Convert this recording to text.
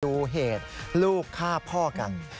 ดูเหตุลูกฆ่าพ่อกัน